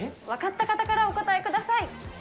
分かった方から、お答えください。